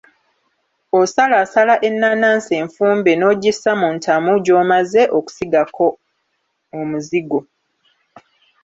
Osalaasala ennaanansi enfumbe nogisa mu ntamu gy'omaze okusigako omuzigo.